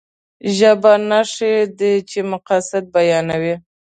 ژبه نښې دي چې مقاصد بيانوي.